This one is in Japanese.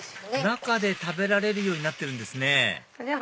中で食べられるようになってるんですね